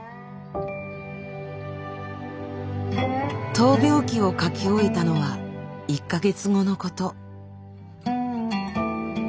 闘病記を書き終えたのは１か月後のこと。